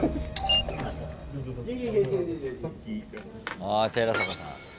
あ寺坂さん。